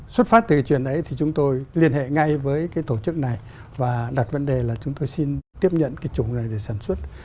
xuất phát từ cái chuyện đấy thì chúng tôi liên hệ ngay với cái tổ chức này và đặt vấn đề là chúng tôi xin tiếp nhận cái chủng này để sản xuất